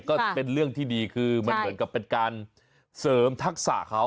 ก็เป็นเรื่องที่ดีคือมันเหมือนกับเป็นการเสริมทักษะเขา